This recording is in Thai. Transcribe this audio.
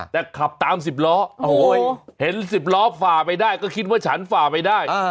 แต่ขับตาม๑๐ล้อเห็น๑๐ล้อฝ่าไปได้ก็คิดว่าฉันฝ่าไปได้